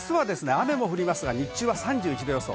雨も降りますが、日中は３１度予想。